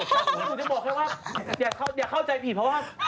หนูจะบอกแค่ว่าอย่าเข้าใจผิดเพราะว่า